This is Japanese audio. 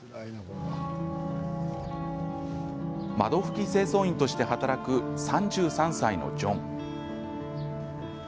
窓拭き清掃員として働く３３歳のジョン。